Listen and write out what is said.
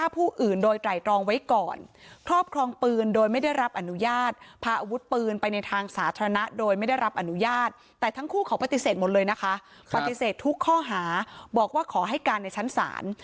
ปฏิเสธทุกข้อหาบอกว่าขอให้การในชั้นศาล